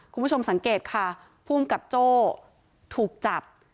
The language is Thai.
คุณผู้ชมสังเกตค่ะภูมิกับโจ้ถูกจับ